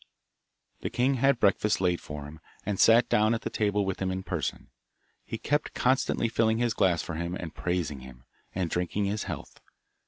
The king had breakfast laid for him, and sat down at the table with him in person; he kept constantly filling his glass for him and praising him, and drinking his health.